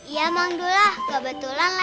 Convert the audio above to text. iya mang dula kebetulan lewat